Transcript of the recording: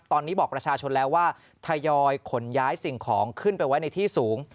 ตอนนี้บอกประชาชนแล้วว่าทยอยขนย้ายสิ่งของขึ้นไปไว้ในที่สูง